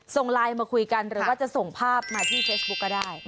ส่งไลน์มาคุยกันหรือว่าจะส่งภาพมาที่เฟซบุ๊คก็ได้